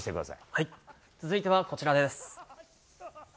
続いてはこちらです。